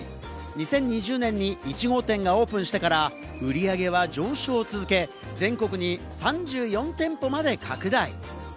２０２０年に１号店がオープンしてから売り上げは上昇を続け、全国に３４店舗まで拡大。